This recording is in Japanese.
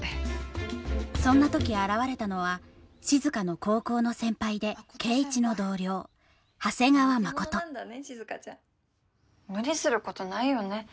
そんな時現れたのは静の高校の先輩で圭一の同僚長谷川真琴無理することないよね